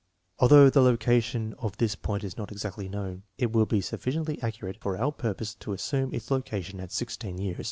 Although the location of this point is not exactly known, it will be sufficiently accurate for our purpose to assume its location at 16 years.